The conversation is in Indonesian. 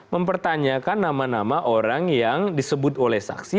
mempertanyakan nama nama orang yang disebut oleh saksi